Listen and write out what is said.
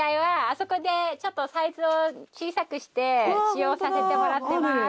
そこでちょっとサイズを小さくして使用させてもらってます。